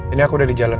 ini aku udah di jalan